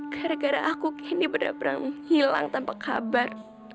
gara gara aku candy benar benar hilang tanpa kabar